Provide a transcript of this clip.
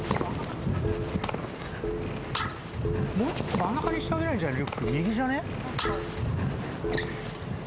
もうちょっと真ん中にしてあげりゃいいんじゃない？